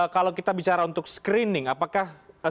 kalau kita bicara untuk screening apakah